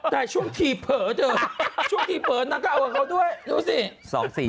แต่ช่วงทีเผลอเธอช่วงทีเผลอนางก็เอากับเขาด้วยดูสิ